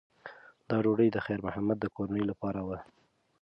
دا ډوډۍ د خیر محمد د کورنۍ لپاره وه.